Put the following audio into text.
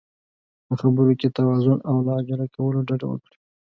په خبرو کې توازن او له عجله کولو ډډه وکړئ.